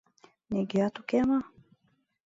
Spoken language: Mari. Нигӧат уке мо?